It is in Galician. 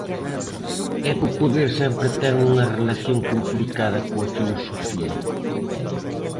É que o poder sempre ten unha relación complicada coa filosofía.